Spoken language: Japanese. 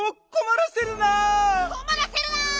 こまらせるな！